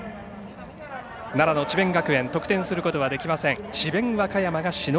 奈良の智弁学園得点することができません。